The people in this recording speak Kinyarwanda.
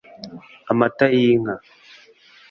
amata y’inka